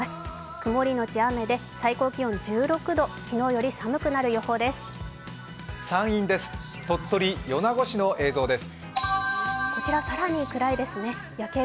曇りのち雨で最高気温１６度、昨日より寒くなる予報です。